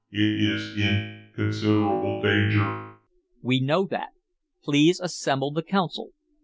It is in considerable danger." "We know that. Please assemble the Council."